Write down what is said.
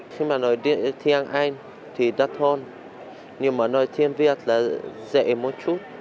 khi mà nói tiếng anh thì đắt hơn nhưng mà nói tiếng việt là dễ một chút